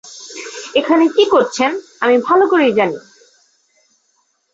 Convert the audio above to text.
এখানে কী করছেন আমি ভালো করেই জানি।